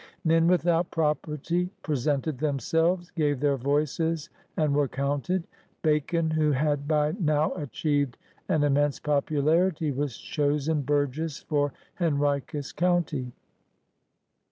Men without property presented themselves, gave their voice?, and were counted. Bacon, who had by now achieved an immense popularity, was chosen burgess for Henricus County.